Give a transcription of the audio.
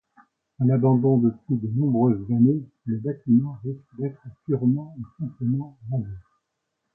À l'abandon depuis de nombreuses années le bâtiment risque d’être purement et simplement rasé.